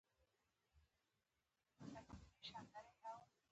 کافي هم را ورسېده.